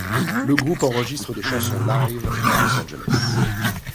Le groupe enregistre des chansons live à Los Angeles.